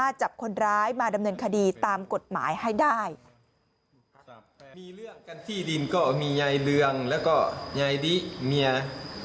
ที่ดินก็มียายเรืองแล้วก็ยายดิมียา